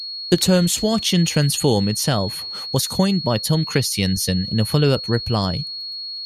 The term "Schwartzian Transform" itself was coined by Tom Christiansen in a follow-up reply.